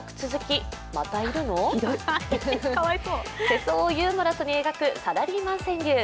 世相をユーモラスに描くサラリーマン川柳。